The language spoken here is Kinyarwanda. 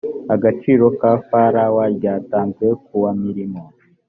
agaciro ka frw ryatanzwe ku wa imirimo